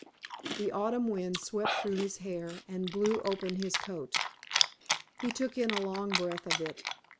The autumn wind swept through his hair, and blew open his coat. He took in a long breath of it.